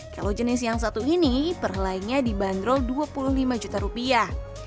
kalau jenis yang satu ini perhalainya dibanderol dua puluh lima juta rupiah